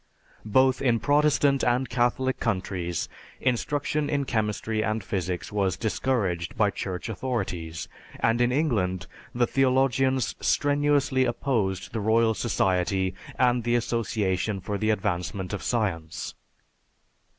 Both in Protestant and Catholic countries instruction in chemistry and physics was discouraged by Church authorities, and in England the theologians strenuously opposed the Royal Society and the Association for the Advancement of Science.